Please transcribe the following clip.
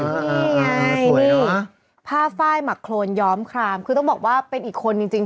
นี่ไงนี่ผ้าไฟหมักโครนย้อมครามคือต้องบอกว่าเป็นอีกคนจริง